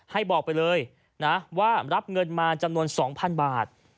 ให้บอกไปเลยนะว่ารับเงินมาจำนวน๒๐๐๐บาท